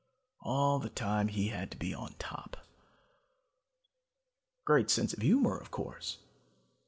All the time he had to be top. Great sense of humor, of course.